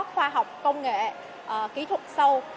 khoa học công nghệ kỹ thuật sâu